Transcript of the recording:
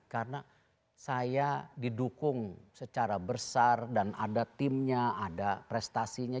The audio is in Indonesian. karena saya didukung secara besar dan ada timnya ada prestasinya